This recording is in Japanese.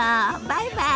バイバイ。